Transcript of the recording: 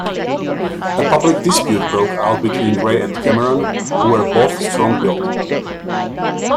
A public dispute broke out between Grey and Cameron, who were both strong-willed.